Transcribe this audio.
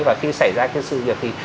và khi xảy ra cái sự việc thì